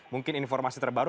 mungkin informasi terbaru